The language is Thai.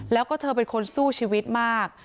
แล้วก็เธอเป็นคนสู้ชีวิตมาก